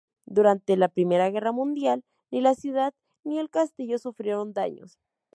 Durante la Primera Guerra Mundial ni la ciudad ni el castillo sufrieron daños.